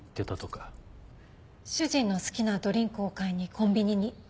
主人の好きなドリンクを買いにコンビニに。